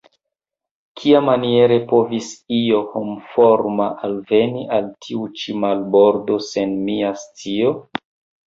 Kiamaniere povis io homforma alveni al tiu-ĉi marbordo sen mia scio?